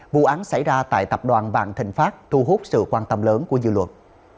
vụ án xảy ra tại tập đoàn vạn thịnh pháp thu hút sự quan tâm lớn của dư luận